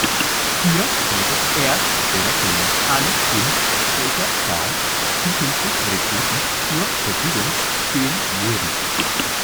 Hier stellte er Berechnungen an, in welcher Zahl zukünftig Rekruten zur Verfügung stehen würden.